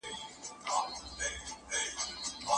هنرمندانو خپل کلتور ژوندی ساتلی و.